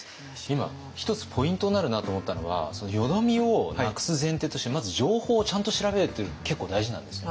今１つポイントになるなと思ったのは淀みをなくす前提としてまず情報をちゃんと調べるって結構大事なんですね。